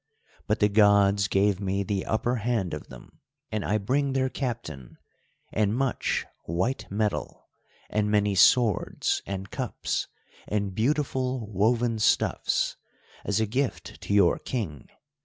But the Gods gave me the upper hand of them, and I bring their captain, and much white metal and many swords and cups and beautiful woven stuffs, as a gift to your King.